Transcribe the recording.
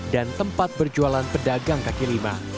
dan tempat berjualan pedagang kaki lima